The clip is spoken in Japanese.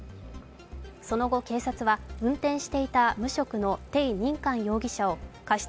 その後、警察は運転していた無職のテイ・ニンカン容疑者を過失